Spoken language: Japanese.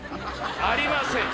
ありません。